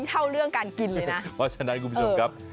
เท่าเรื่องการกินเลยนะเพราะฉะนั้นคุณผู้ชมครับ